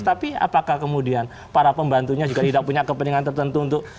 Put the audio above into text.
tapi apakah kemudian para pembantunya juga tidak punya kepentingan tertentu untuk